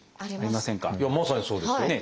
まさにそうですよ。ねえ。